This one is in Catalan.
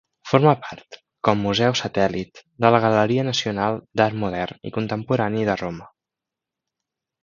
Forma part, com museu satèl·lit, de la Galeria Nacional d'Art Modern i Contemporani de Roma.